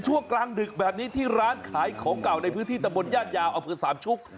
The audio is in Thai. ตอนนี้ที่ร้านขายของเก่าในพื้นที่ตะบดญาติยาวเอาเพื่อสามชุบ